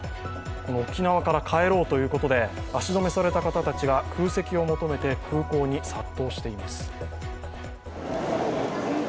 この沖縄から帰ろうということで足止めされた方たちが空席を求めて空港に殺到しています。